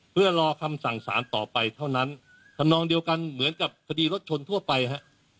เพื่อรอคำสั่งสารต่อไปเท่านั้นทำนองเดียวกันเหมือนกับคดีรถชนทั่วไปฮะ